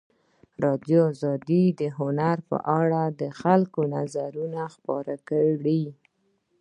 ازادي راډیو د هنر په اړه د خلکو نظرونه خپاره کړي.